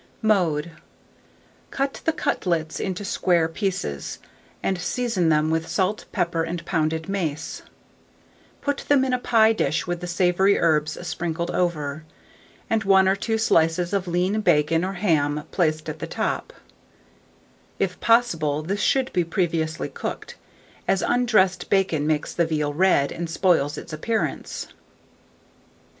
Mode. Cut the cutlets into square pieces, and season them with pepper, salt, and pounded mace; put them in a pie dish with the savoury herbs sprinkled over, and 1 or 2 slices of lean bacon or ham placed at the top: if possible, this should be previously cooked, as undressed bacon makes the veal red, and spoils its appearance.